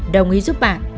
đồng ý giúp bạn